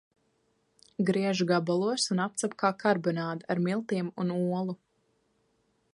Griež gabalos un apcep kā karbonādi ar miltiem un olu.